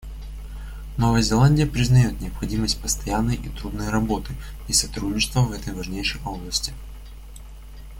Новая Зеландия признает необходимость постоянной и трудной работы и сотрудничества в этой важнейшей области.